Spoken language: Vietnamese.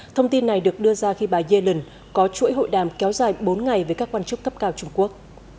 thông tin này được đưa ra khi bà yellen có chuỗi hội đàm kéo dài bốn ngày với các quan chức cấp cao trung quốc